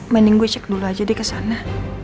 mending gue cek dulu aja dia kesana